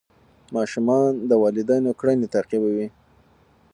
ماشومان د والدینو کړنې تعقیبوي.